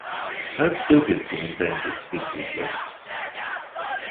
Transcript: How big is the Endangered Species List?